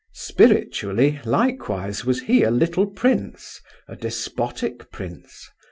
Spiritually, likewise, was he a little prince, a despotic prince.